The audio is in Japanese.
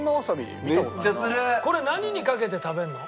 これ何にかけて食べるの？